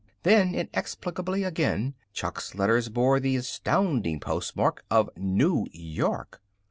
Then, inexplicably again, Chuck's letters bore the astounding postmark of New York.